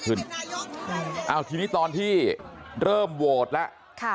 เพราะไม่เห็นชอบเห็นชอบปุ๊บ